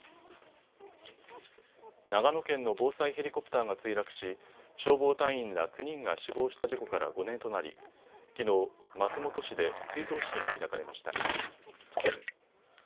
長野県の防災ヘリコプターが墜落し消防隊員ら９人が死亡した事故から５年となり、きのう松本市で追悼式が開かれました。